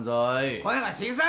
声が小さい！